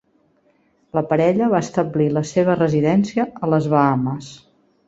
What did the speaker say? La parella va establir la seva residència a les Bahames.